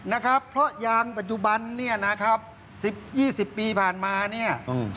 นะครับเพราะยางปัจจุบันเนี่ยนะครับสิบยี่สิบปีผ่านมาเนี่ยอืม